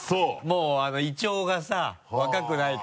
もう胃腸がさ若くないから。